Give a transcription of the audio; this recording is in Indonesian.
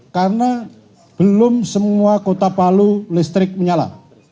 karena belum semua kota palu listrik menyala